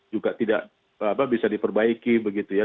juga tidak bisa diperbaiki begitu ya